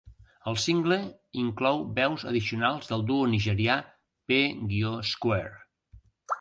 El single inclou veus addicionals del duo nigerià P-Square.